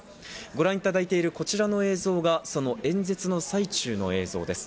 ご覧いただいている、こちらの映像がその演説の最中の映像です。